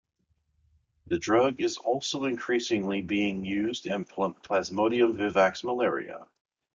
The drug is also increasingly being used in "Plasmodium vivax" malaria.